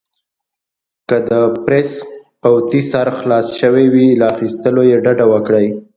که د پرېس قوطي سر خلاص شوی وي، له اخيستلو يې ډډه وکړئ.